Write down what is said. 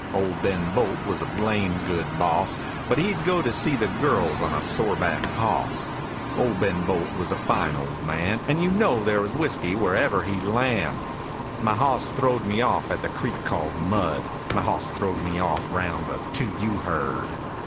Old Ben Bolt was a blamed good boss, But he'd go to see the girls on a sore backed hoss. Old Ben Bolt was a fine old man And you'd know there was whiskey wherever he'd land. My hoss throwed me off at the creek called Mud, My hoss throwed me off round the 2 U herd.